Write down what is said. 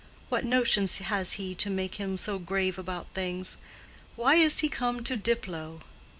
What notions has he to make him so grave about things? Why is he come to Diplow?"